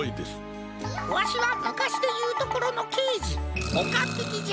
わしはむかしでいうところのけいじおかっぴきじゃ！